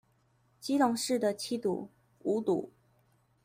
基隆市的七堵、五堵